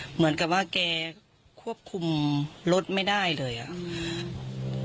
เหมือนกับว่าแกควบคุมรถไม่ได้เลยอ่ะ